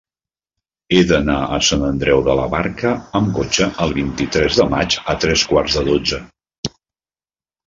He d'anar a Sant Andreu de la Barca amb cotxe el vint-i-tres de maig a tres quarts de dotze.